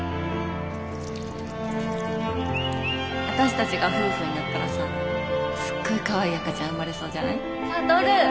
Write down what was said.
私たちが夫婦になったらさすっごいかわいい赤ちゃん生まれそうじゃない？